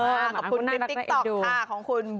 ขอบคุณติ๊กต็อกของคุณ